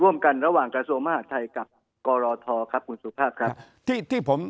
ร่วมกันระหว่างกระโสมหาทัยกับกรทครับคุณสุภาพครับ